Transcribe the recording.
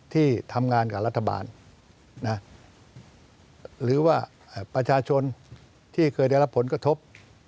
ที่ทำงานกับรัฐบาลหรือว่าประชาชนที่เคยได้รับผลกระทบ